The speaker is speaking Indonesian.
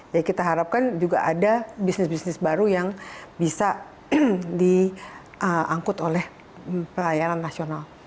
ya kita harapkan juga ada bisnis bisnis baru yang bisa diangkut oleh pelayanan nasional